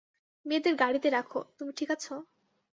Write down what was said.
মেয়েদের গাড়িতে রাখো - তুমি ঠিক আছ?